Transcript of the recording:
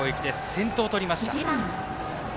先頭とりました。